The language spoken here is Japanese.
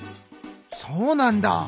そうなんだ！